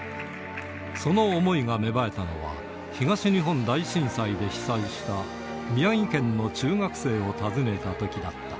その想いが芽生えたのは、東日本大震災で被災した宮城県の中学生を訪ねたときだった。